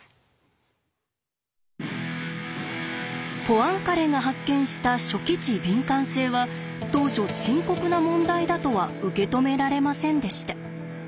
ポアンカレが発見した初期値敏感性は当初深刻な問題だとは受け止められませんでした。